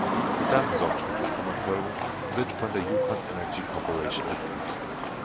Der Damm sorgt für die Stromerzeugung und wird von der Yukon Energy Corporation betrieben.